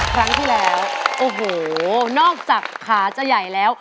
ครั้งที่แล้วโอ้โหนอกจากขาจะใหญ่แล้ว